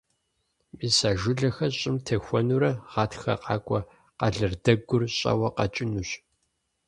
Мис а жылэхэр щӀым техуэнурэ гъатхэ къакӀуэ къэлэрдэгур щӀэуэ къэкӀынущ.